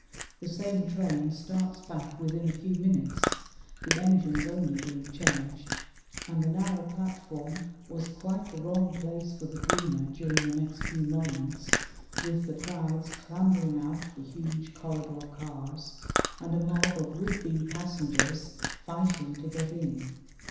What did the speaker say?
The same train starts back within a few minutes the engines only being changed and the narrow platform was quite the wrong place for the dreamer during the next few moments, with the crowds clambering out of the huge corridor cars and a mob of would be passengers fighting to get in.